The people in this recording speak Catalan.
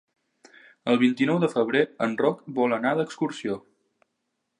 El vint-i-nou de febrer en Roc vol anar d'excursió.